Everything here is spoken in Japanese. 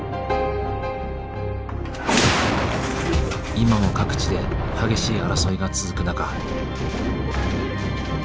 今も各地で激しい争いが続く中。